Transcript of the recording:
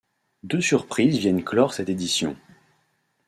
Deux surprises viennent clore cette édition.